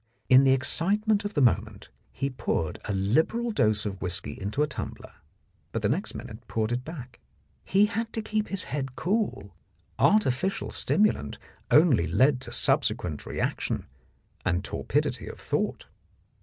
In the excitement of the moment he poured a liberal dose of whisky into a tumbler, but next minute poured it back. He had to keep his head cool; artificial stimulant only led to subsequent reaction and tor pidity of thought.